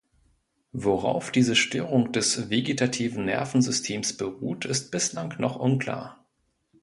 Worauf diese Störung des vegetativen Nervensystems beruht, ist bislang noch unklar.